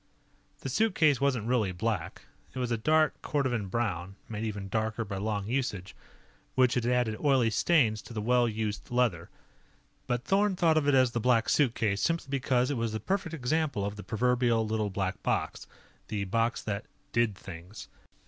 The suitcase wasn't really black. It was a dark cordovan brown, made even darker by long usage, which had added oily stains to the well used leather. But Thorn thought of it as the Black Suitcase simply because it was the perfect example of the proverbial Little Black Box the box that Did Things.